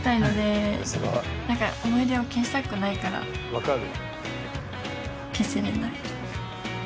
分かる！